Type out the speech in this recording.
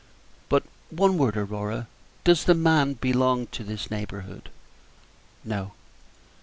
"But one word, Aurora does the man belong to this neighborhood?" "No."